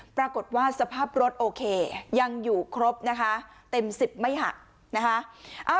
ปรากฏว่าสภาพรถโอเคยังอยู่ครบนะคะเต็ม๑๐ไม่หักนะคะ